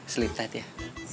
sleep tight ya